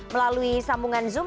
melalui sambungan zoom